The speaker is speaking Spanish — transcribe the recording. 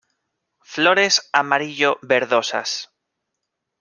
Flores amarillo-verdosas.